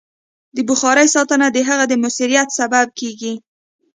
د بخارۍ ساتنه د هغې د مؤثریت سبب کېږي.